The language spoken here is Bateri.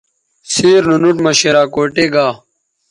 سیر نو نُوٹ مہ شراکوٹے گا